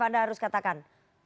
anda harus katakan